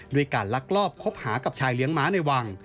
ด้วยการลักลอบคบหากับชายเลี้ยงม้าในวัง